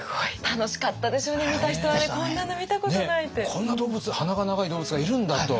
こんな動物鼻が長い動物がいるんだと。